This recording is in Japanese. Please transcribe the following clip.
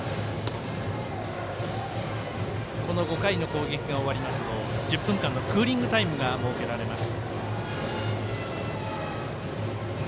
この５回の攻撃が終わりますと１０分間のクーリングタイムが設けられます。